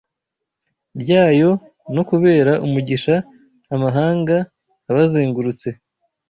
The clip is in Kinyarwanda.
ryayo no kubera umugisha amahanga abazengurutse